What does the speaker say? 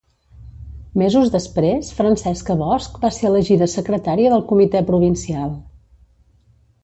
Mesos després Francesca Bosch va ser elegida secretària del Comitè Provincial.